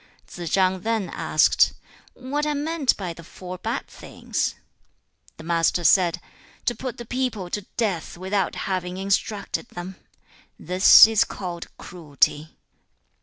3. Tsze chang then asked, 'What are meant by the four bad things?' The Master said, 'To put the people to death without having instructed them; this is called cruelty.